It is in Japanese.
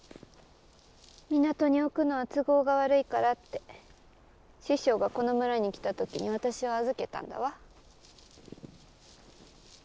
港に置くのは都合が悪いからって師匠がこの村に来た時に私を預けたんだわ。